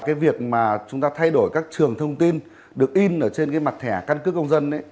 cái việc mà chúng ta thay đổi các trường thông tin được in ở trên cái mặt thẻ căn cướp công an